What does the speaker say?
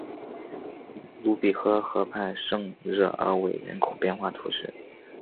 鲁比永河畔圣热尔韦人口变化图示